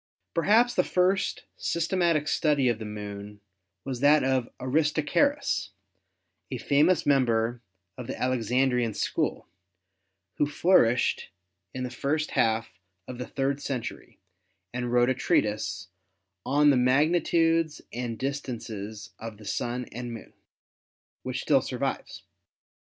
Perhaps the first systematic study of the Moon was that of Aristarchus, a famous member of the Alexandrine school, who flourished in the first half of the third cen tury and wrote a treatise "On the Magnitudes and Dis tances of the Sun and Moon," which still survives.